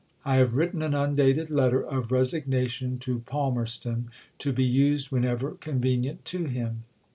I have written an undated letter of resignation to Palmerston to be used whenever convenient to him.